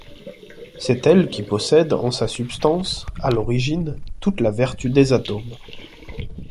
C'est elle qui possède en sa substance, à l'origine, toute la vertu des atomes.